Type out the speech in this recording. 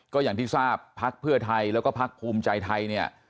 ก็อย่างที่ทราบพักเพื่อไทยแล้วก็พักภูมิใจไทยเนี่ย